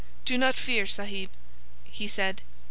"Do not fear, Sahib," he said.